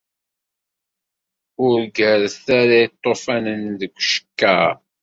Ur ggaret ara iṭufanen deg ucekkaṛ!